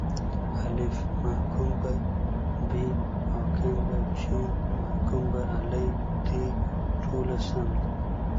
الف: محکوم به ب: حاکم ج: محکوم علیه د: ټوله سم دي